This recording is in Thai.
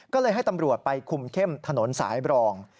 ก็เลยให้ตำรวจไปคุมเข้มถนนสายบรอง